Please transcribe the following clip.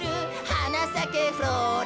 「はなさけフローラ」